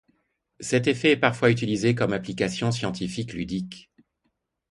Cet effet est parfois utilisé comme application scientifique ludique.